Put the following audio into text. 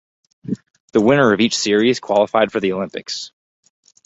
The winner of each series qualified for the Olympics.